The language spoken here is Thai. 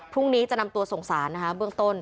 พรุ่งนี้จะนำตัวส่งสารนะคะเบื้องต้น